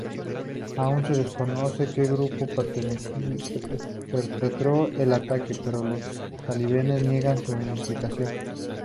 Aún se desconoce que grupo perpetró el ataque, pero los talibanes niegan su implicación.